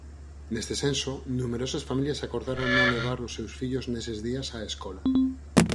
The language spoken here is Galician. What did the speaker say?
Neste senso, numerosas familias acordaron non levar os seus fillos neses días á escola.